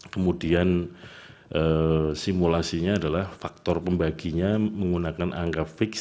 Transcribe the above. kemudian simulasinya adalah faktor pembaginya menggunakan angka fix